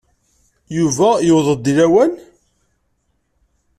Yuba yuweḍ-d deg lawan?